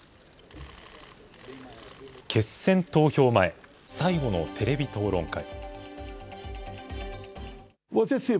決選投票前、最後のテレビ討論会。